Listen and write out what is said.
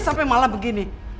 sampe malam begini